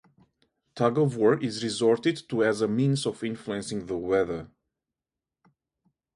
Tug-of-war is resorted to as a means of influencing the weather.